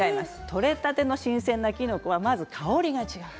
取れたての新鮮なキノコはまず香りが違う。